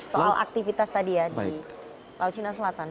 soal aktivitas tadi ya di laut cina selatan